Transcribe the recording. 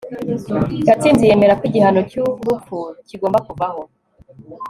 gatsinzi yemera ko igihano cy'urupfu kigomba kuvaho